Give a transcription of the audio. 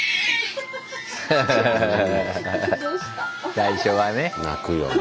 最初はね。泣くよな。